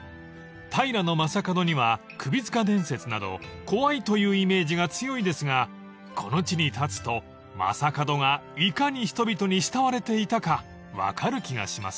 ［平将門には首塚伝説など怖いというイメージが強いですがこの地に立つと将門がいかに人々に慕われていたか分かる気がしますね］